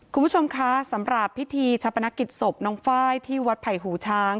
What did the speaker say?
คุณผู้ชมคะสำหรับพิธีชาปนกิจศพน้องไฟล์ที่วัดไผ่หูช้าง